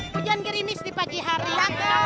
hujan gerinis di pagi hari panas menyengat di kota lampung